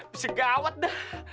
bisa gawat dah